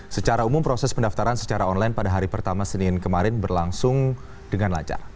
secara umum proses pendaftaran secara online pada hari pertama senin kemarin berlangsung dengan lancar